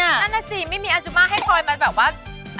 นั่นน่ะสิไม่มีอาจุมาให้คอยมาแบบว่า